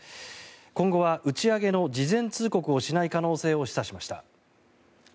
今後は打ち上げの事前通告をしない可能性を示唆しました。